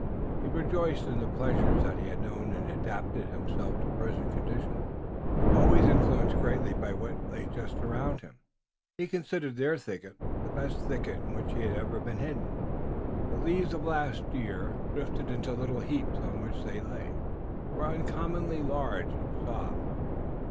He rejoiced in the pleasures that he had known and adapted himself to present conditions. Always influenced greatly by what lay just around him, he considered their thicket the best thicket in which he had ever been hidden. The leaves of last year, drifted into little heaps on which they lay, were uncommonly large and soft.